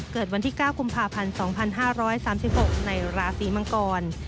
เกิดวันที่๙กุมภาพันธ์๒๕๓๖ในราศีมังกร